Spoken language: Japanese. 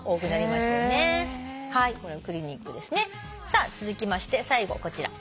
さあ続きまして最後こちら。